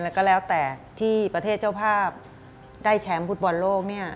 ก็แล้วแต่ที่ประเทศเจ้าภาพได้แชมป์ฟุตบอลโลก